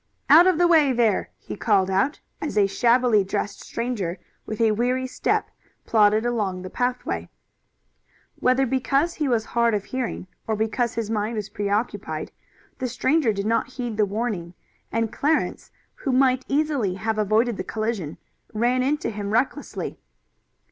"Out of the way, there!" he called out, as a shabbily dressed stranger with a weary step plodded along the pathway. Whether because he was hard of hearing or because his mind was preoccupied, the stranger did not heed the warning, and Clarence, who might easily have avoided the collision, ran into him recklessly.